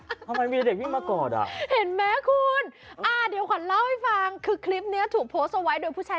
ทำไมมีเด็กวิ่งมากอดอ่ะเห็นไหมคุณอ่าเดี๋ยวขวัญเล่าให้ฟังคือคลิปเนี้ยถูกโพสต์เอาไว้โดยผู้ชาย